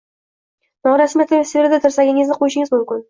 Norasmiy atmosferada tirsagingizni qo‘yishingiz mumkin.